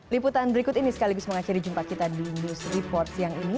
liputan berikut ini sekaligus mengakhiri jumpa kita di industri report siang ini